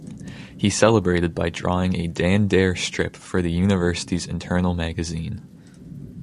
He celebrated by drawing a Dan Dare strip for the University's internal magazine.